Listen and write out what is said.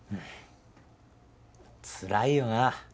つらいよな。